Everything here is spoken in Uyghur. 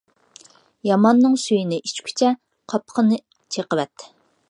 ياماننىڭ سۈيىنى ئىچكۈچە، قاپىقىنى چېقىۋەت.